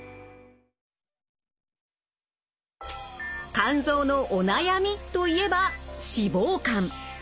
肝臓のお悩みといえば脂肪肝。